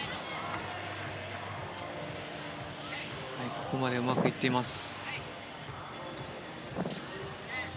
ここまではうまくいっています。